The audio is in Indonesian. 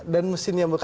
dan mesin yang bekerja